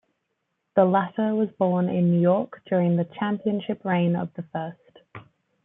The latter was born in New York during the championship reign of the first.